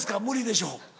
無理でしょう？